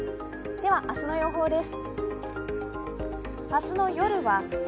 では、明日の予報です。